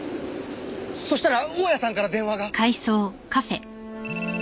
そしたら大屋さんから電話が。